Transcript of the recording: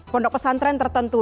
pondok pesantren tertentu